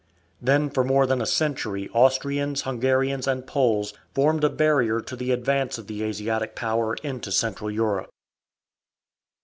Then for more than a century Austrians, Hungarians, and Poles formed a barrier to the advance of the Asiatic power into Central Europe.